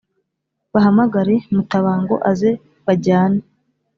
bahamagare mutabango aze bajyane